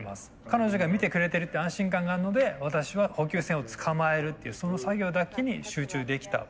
彼女が見てくれてるって安心感があるので私は補給船を捕まえるっていうその作業だけに集中できた。